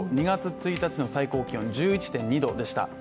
２月１日の最高気温１１．２度でした。